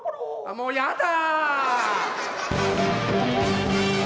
もうやだ！